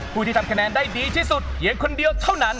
ผู้ที่ทำคะแนนได้ดีที่สุดเพียงคนเดียวเท่านั้น